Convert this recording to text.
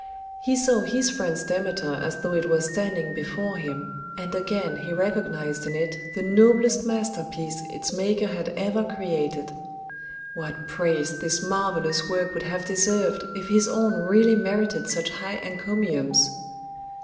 He saw his friend's Demeter as though it was standing before him, and again he recognised in it the noblest masterpiece its maker had ever created. What praise this marvellous work would have deserved if his own really merited such high encomiums!